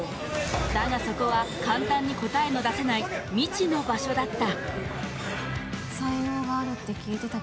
だがそこは簡単に答えの出せない未知の場所だった。